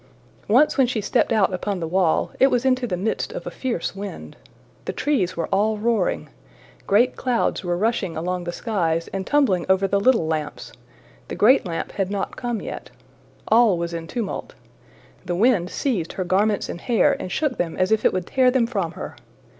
Once when she stepped out upon the wall, it was into the midst of a fierce wind. The trees were all roaring. Great clouds were rushing along the skies and tumbling over the little lamps: the great lamp had not come yet. All was in tumult. The wind seized her garments and hair and shook them as if it would tear them from her.